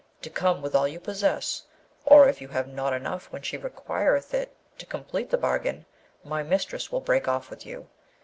to come with all you possess, or if you have not enough when she requireth it to complete the bargain, my mistress will break off with you.